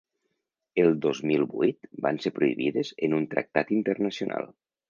El dos mil vuit van ser prohibides en un tractat internacional.